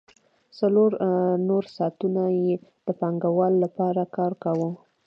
څلور نور ساعتونه یې د پانګوال لپاره کار کاوه